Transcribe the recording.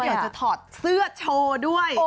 แล้วเดี๋ยวจะถอดเสื้อโชว์ด้วย